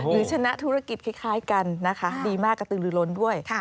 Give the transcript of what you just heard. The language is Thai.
หรือชนะธุรกิจคล้ายกันดีมากกระตืมหรือล้นด้วย